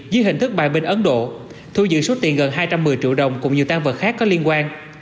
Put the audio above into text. dưới hình thức bài minh ấn độ thu giữ số tiền gần hai trăm một mươi triệu đồng cũng như tăng vật khác có liên quan